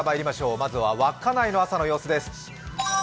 まずは稚内の朝の様子です。